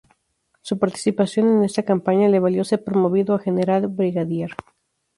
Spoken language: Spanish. Su participación en esta campaña le valió ser promovido a general brigadier.